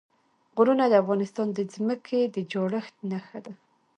غرونه د افغانستان د ځمکې د جوړښت نښه ده.